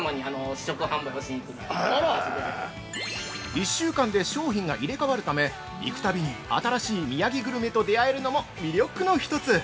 ◆１週間で商品が入れ替わるため、行くたびに新しい宮城グルメと出会えるのも魅力の一つ！